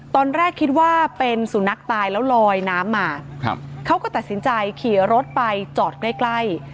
ตอนแรกคิดว่าเป็นสุนัขตายแล้วลอยน้ำมาเขาก็ตัดสินใจขี่รถไปจอดใกล้ใกล้